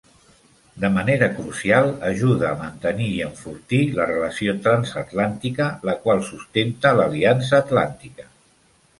De manera crucial, ajuda a mantenir i enfortir la relació transatlàntica, la qual sustenta l'Aliança Atlàntica.